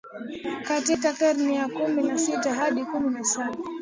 katika karne ya kumi na sita hadi kumi na Saba